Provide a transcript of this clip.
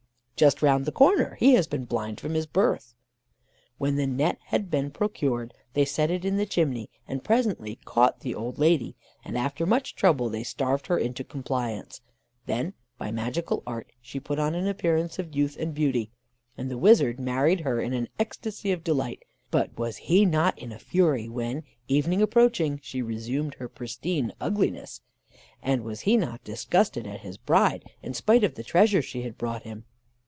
"'Just round the corner: he has been blind from his birth.' "When the net had been procured, they set it in the chimney, and presently caught the old lady, and after much trouble they starved her into compliance. Then, by magical art, she put on an appearance of youth and beauty, and the wizard married her in an ecstacy of delight; but was he not in a fury when, evening approaching, she resumed her pristine ugliness. And was he not disgusted at his bride, in spite of the treasure she had brought him.